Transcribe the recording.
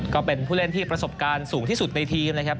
ก็เป็นผู้เล่นที่ประสบการณ์สูงที่สุดในทีมนะครับ